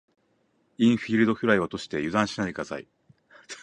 インフィールドフライを落として油断しないで下さい。